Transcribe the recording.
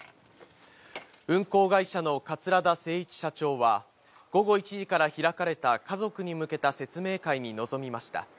運航会社の桂田精一社長は、午後１時から開かれた家族に向けた説明会に臨みました。